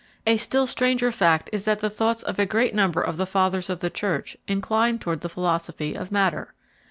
A still stranger fact is that the thoughts of a great number of the Fathers of the Church inclined towards the philosophy of matter.